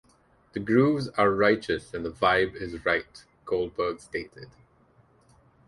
"The grooves are righteous and the vibe is right" Goldberg stated.